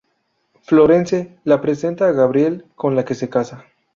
Florence la presenta a Gabriel, con la que se casa.